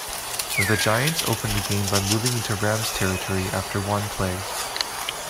The Giants opened the game by moving into Rams' territory after one play.